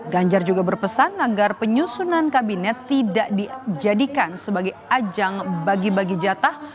ganjar juga berpesan agar penyusunan kabinet tidak dijadikan sebagai ajang bagi bagi jatah